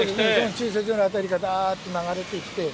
駐車場の辺りからだーっと流れてきて。